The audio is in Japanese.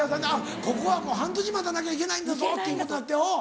「ここはもう半年待たなきゃ行けないんだぞ」っていうことになってうん。